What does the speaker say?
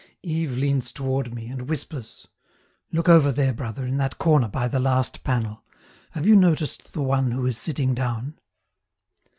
Yves leans toward me and whispers: "Look over there, brother, in that corner by the last panel; have you noticed the one who is sitting down?"